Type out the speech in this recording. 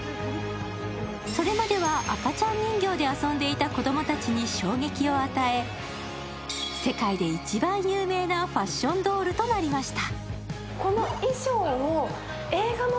それまでは赤ちゃん人形で遊んでいた子供たちに衝撃を与え世界で一番有名なファッションドールとなりました。